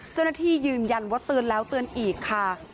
เจ้าหน้าที่ยืนยันว่าเตือนแล้วเตือนอีกค่ะ